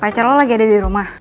pacar lo lagi ada dirumah